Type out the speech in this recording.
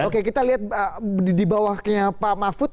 oke kita lihat di bawahnya pak mahfud